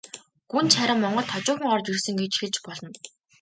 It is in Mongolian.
Гүнж харин монголд хожуухан орж ирсэн гэж хэлж болно.